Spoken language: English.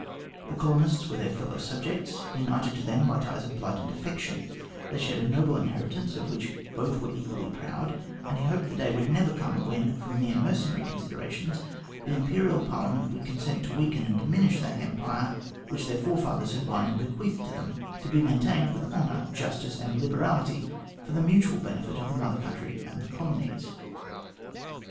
The colonists were their fellow subjects, united to them by the ties of blood and affection ; they shared a noble inheritance, of which both were equally proud, and he hoped the day would never come when, from mere mercenary considerations, the Imperial Parlia ment would consent to weaken and diminish that Empire which their forefathers had won and bequeathed to them to be maintained with honour, justice, and liberality for the mutual benefit of the Mother Country and the colonies.